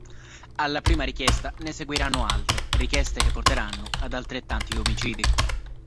Alla prima richiesta ne seguiranno altre; richieste che porteranno ad altrettanti omicidi.